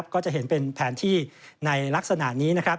ก็จะเห็นเป็นแผนที่ในลักษณะนี้นะครับ